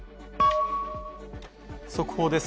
速報です。